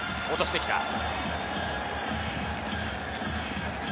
落として来た。